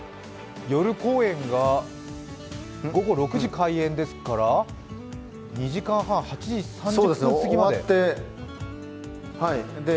夜公演が午後６時開演ですから、２時間半８時３０分すぎまで？